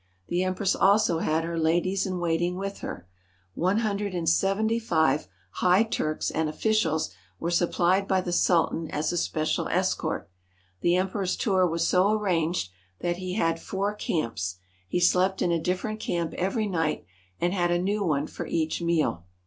The Em press also had her ladies in waiting with her. One hun 250 ACROSS THE LEBANON MOUNTAINS dred and seventy five high Turks and officials were sup plied by the Sultan as a special escort. The Emperor's tour was so arranged that he had four camps. He slept in a different camp every night and had a new one for each meal.